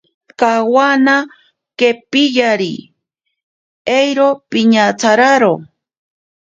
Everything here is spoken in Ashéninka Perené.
Kawana kepiyari ero piñatsararo.